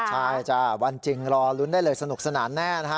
ใช่จ้ะวันจริงรอลุ้นได้เลยสนุกสนานแน่นะฮะ